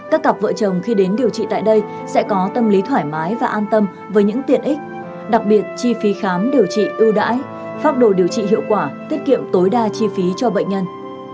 các cặp vợ chồng khi đến điều trị tại đây sẽ có tâm lý thoải mái và an tâm với những tiện ích đặc biệt chi phí khám điều trị ưu đãi phát đồ điều trị hiệu quả tiết kiệm tối đa chi phí cho bệnh nhân